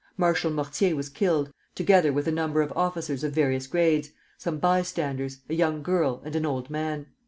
Marshal Mortier was killed, together with a number of officers of various grades, some bystanders, a young girl, and an old man.